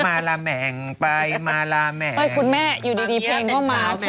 มาละแมงไปมาละแมนเอ้ยคุณแม่อยู่ดีเพลงเค้าเหมาเฉย